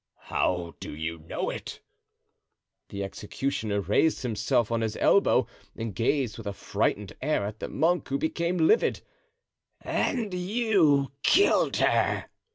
"How do you know it?" The executioner raised himself on his elbow and gazed with a frightened air at the monk, who became livid. "And you killed her?"